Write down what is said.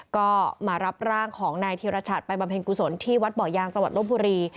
ก็มารับร่างของนายธีรชัดไปบำเพ็ญกุศลที่วัดบ่อยางจังหวัดลบบุรี